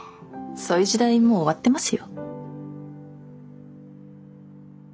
そういう時代もう終わってますよ。